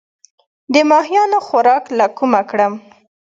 د ماهیانو خوراک له کومه کړم؟